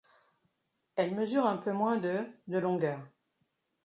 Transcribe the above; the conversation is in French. Elle mesure un peu moins de de longueur.